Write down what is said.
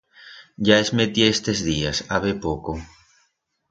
Ya es metié estes días, habe poco.